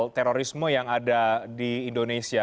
sekadar terhadap terorisme yang ada di indonesia